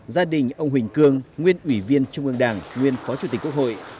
gia đình ông huỳnh cương nguyên ủy viên trung ương đảng nguyên phó chủ tịch quốc hội